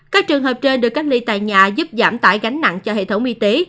các trường hợp trên được cách ly tại nhà giúp giảm tải gánh nặng cho hệ thống y tế